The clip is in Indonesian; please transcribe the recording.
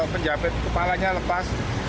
penjapit kepalanya lepas